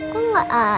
kok nggak ada